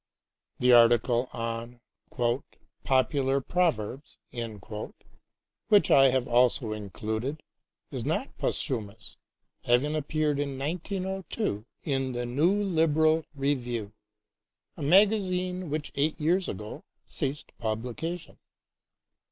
The article on " Popular Proverbs," which I have also included, is not posthumous, having appeared in 1902 in the New Liberal Review, a magazine which eight years ago ceased publication.